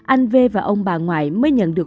anh v và ông bà ngoại mới nhận được